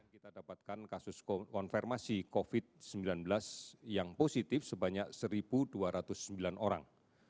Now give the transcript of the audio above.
kita dapatkan kasus konfirmasi covid sembilan belas yang positif sebanyak satu dua ratus sembilan orang